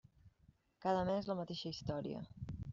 Cada mes, la mateixa història.